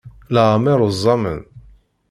Leɛmer uẓamen.